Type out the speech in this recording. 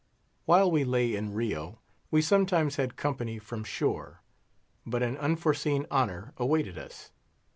While we lay in Rio, we sometimes had company from shore; but an unforeseen honour awaited us.